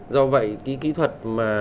do vậy cái kỹ thuật mà